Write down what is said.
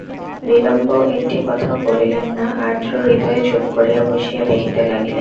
বিল্বন একটি কথাও বলিলেন না–আর্দ্র হৃদয়ে চুপ করিয়া বসিয়া দেখিতে লাগিলেন।